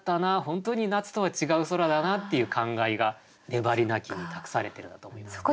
本当に夏とは違う空だなっていう感慨が「ねばりなき」に託されてるんだと思いますね。